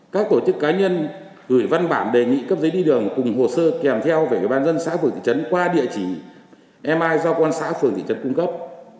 các tổ chức cá nhân gửi văn bản đề nghị cấp giấy đi đường cùng hồ sơ kèm theo về công an xã phường thị trấn qua địa chỉ emi do công an xã phường thị trấn cung cấp